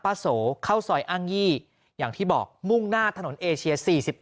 โสเข้าซอยอ้างยี่อย่างที่บอกมุ่งหน้าถนนเอเชีย๔๑